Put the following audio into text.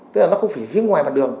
tức là nó không phải phía ngoài mặt đường